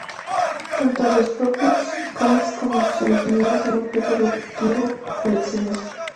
Tanto los propios cómics como sus originales son objeto de un activo coleccionismo.